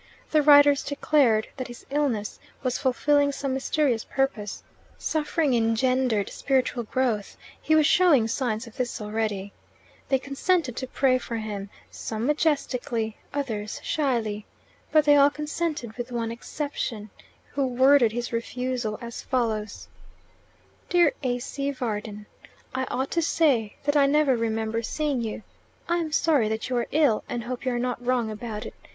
The writers declared that his illness was fulfilling some mysterious purpose: suffering engendered spiritual growth: he was showing signs of this already. They consented to pray for him, some majestically, others shyly. But they all consented with one exception, who worded his refusal as follows: Dear A.C. Varden, I ought to say that I never remember seeing you. I am sorry that you are ill, and hope you are wrong about it.